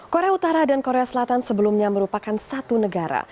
korea utara dan korea selatan sebelumnya merupakan satu negara